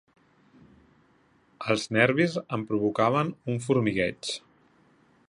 Els nervis em provocaven un formigueig.